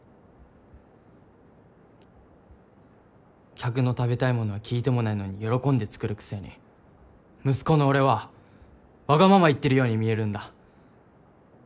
客の食べたいものは聞いてもないのに喜んで作るくせに息子の俺はわがまま言ってるように見えるんだ。